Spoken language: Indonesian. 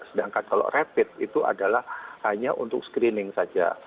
sedangkan kalau rapid itu adalah hanya untuk screening saja